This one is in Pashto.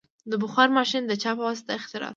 د بخار ماشین د چا په واسطه اختراع شو؟